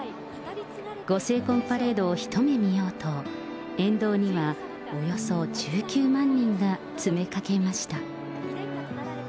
ご成婚パレードを一目見ようと、沿道にはおよそ１９万人が詰めかけました。